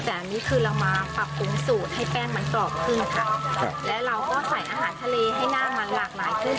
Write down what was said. แต่อันนี้คือเรามาปรับปรุงสูตรให้แป้งมันกรอบขึ้นค่ะแล้วเราก็ใส่อาหารทะเลให้หน้ามันหลากหลายขึ้น